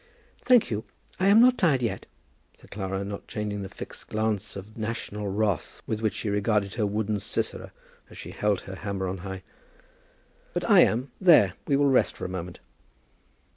"Thank you, I am not tired yet," said Clara, not changing the fixed glance of national wrath with which she regarded her wooden Sisera as she held her hammer on high. "But I am. There; we will rest for a moment."